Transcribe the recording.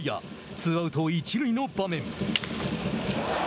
ツーアウト一塁の場面。